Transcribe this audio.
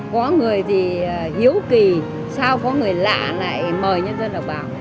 có người thì hiếu kỳ sao có người lạ lại mời nhân dân đọc báo